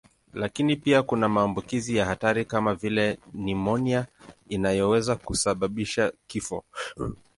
Lakini pia kuna maambukizi ya hatari kama vile nimonia inayoweza kusababisha kifo.